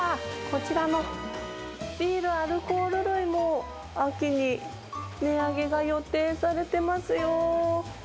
こちらのビールアルコール類も秋に値上げが予定されてますよ。